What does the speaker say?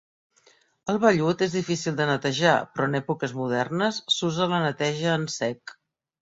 El vellut és difícil de netejar, però en èpoques modernes, s'usa la neteja en sec.